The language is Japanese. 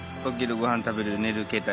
ごはん食べる寝る携帯。